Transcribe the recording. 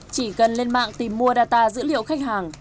chỉ cần lên mạng tìm mua data dữ liệu khách hàng